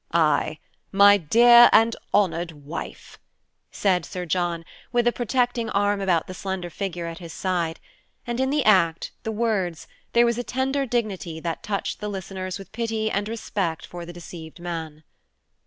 "Aye, my dear and honored wife," said Sir John, with a protecting arm about the slender figure at his side; and in the act, the words, there was a tender dignity that touched the listeners with pity and respect for the deceived man.